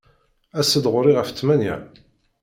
As-d ɣur-i ɣef ttmenya.